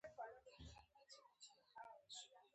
زده کوونکې به تر هغه وخته پورې جغرافیه لولي.